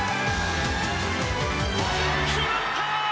決まった！